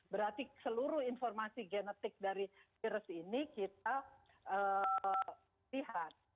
berarti seluruh informasi genetik dari virus ini kita lihat